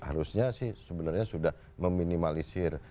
harusnya sih sebenarnya sudah meminimalisir